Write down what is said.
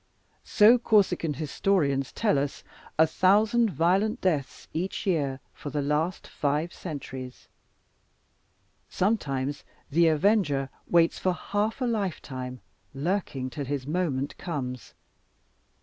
So Corsican historians tell; a thousand violent deaths each year, for the last five centuries. Sometimes the avenger waits for half a lifetime, lurking till his moment comes.